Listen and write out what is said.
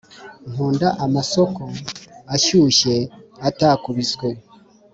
nkunda amasoko ashyushye atakubiswe.